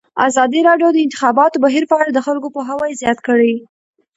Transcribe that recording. ازادي راډیو د د انتخاباتو بهیر په اړه د خلکو پوهاوی زیات کړی.